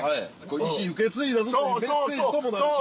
遺志受け継いだぞというメッセージともなるし。